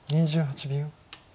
２８秒。